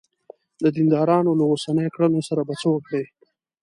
د دیندارانو له اوسنیو کړنو سره به څه وکړې.